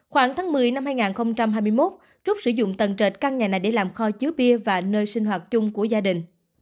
khoảng tháng một mươi năm hai nghìn hai mươi một trúc sử dụng tầng trệt căn nhà này để làm kho chứa bia và nơi sinh hoạt chung của gia đình